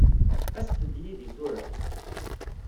Aset-d yid-i tura.